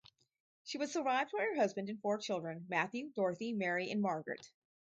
She was survived by her husband and four children, Matthew, Dorothy, Mary, and Margaret.